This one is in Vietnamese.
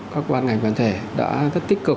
các ban ngành văn thể đã rất tích cực